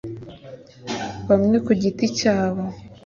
bamwe ku giti cyabo,